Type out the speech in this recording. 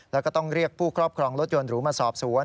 แล้วก็ต้องเรียกผู้ครอบครองรถยนต์หรูมาสอบสวน